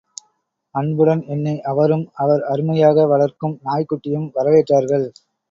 அன்புடன் என்னை அவரும் அவர் அருமையாக வளர்க்கும் நாய்க்குட்டியும் வரவேற்றார்கள்.